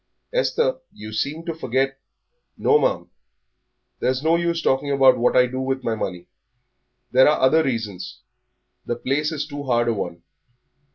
"Esther, you seem to forget " "No, ma'am; but there's no use talking about what I do with my money there are other reasons; the place is too hard a one.